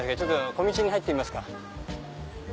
小道に入ってみますか。